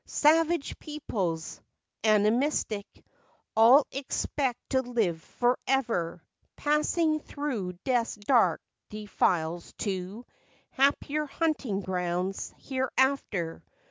Savage peoples, animistic, All expect to live forever, Passing thro' death's dark defiles to Happier hunting grounds hereafter.